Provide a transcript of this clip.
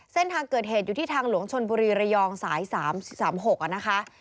เส้นทางเกิดเหตุอยู่ที่ทางหลวงชนบุรีระยองสาย๓๓๖นะคะ